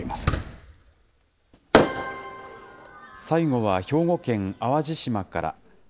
最後は兵庫県淡路島から。